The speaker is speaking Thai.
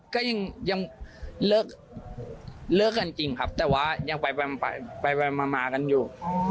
ก็ยังเลิกกันจริงครับแต่ว่ายังไปมากันอยู่